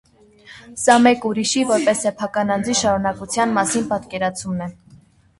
Սա մեկ ուրիշի՝ որպես սեփական անձի շարունակության մասին պատկերացումն է։